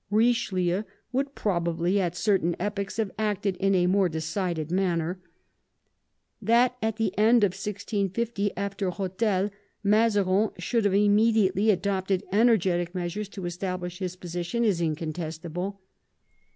Richelieu would probably at certain epochs have acted in a more decided manner. That at the end of 1650, after Rethel, Mazarin should have immediately adopted energetic measures to establish his position is incontestable.